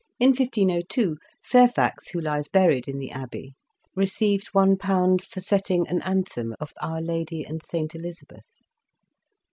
In 1502, Fairfax, who lies buried in the abbey, received ^i for setting an anthem of Our Lady and Saint Elizabeth.